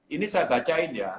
ini saya bacain ya